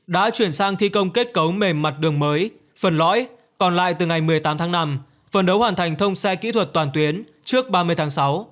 đã chuyển sang thi công kết cấu mề mặt đường mới phần lõi còn lại từ ngày một mươi tám tháng năm phần đấu hoàn thành thông xe kỹ thuật toàn tuyến trước ba mươi tháng sáu